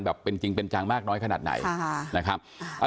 เป็นจริงเป็นจังมากน้อยขนาดไหนนะครับ